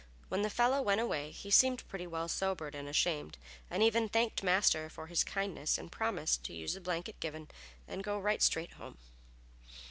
When the fellow went away he seemed pretty well sobered and ashamed, and even thanked Master for his kindness and promised to use the blanket given and go right straight home.